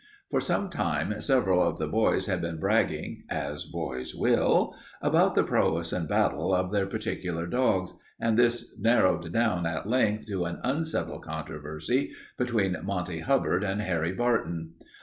For some time several of the boys had been bragging, as boys will, about the prowess in battle of their particular dogs, and this narrowed down at length to an unsettled controversy between Monty Hubbard and Harry Barton.